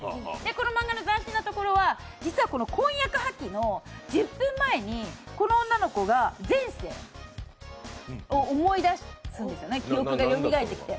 この漫画の斬新なところが、字はこの婚約破棄の１０分前にこの女の子が前世を思い出すんですよね、記憶がよみがえってきて。